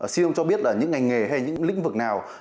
xin ông cho biết là những ngành nghề hay những lĩnh vực nào